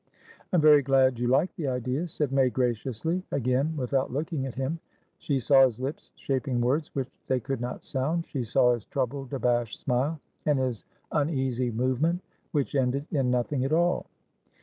"I'm very glad you like the idea," said May, graciously. Againwithout looking at himshe saw his lips shaping words which they could not sound; she saw his troubled, abashed smile, and his uneasy movement which ended in nothing at all.